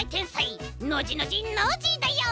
ノジノジノージーだよ！